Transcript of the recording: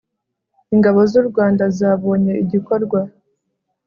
ingabo z u rwanda zaboye igikorwa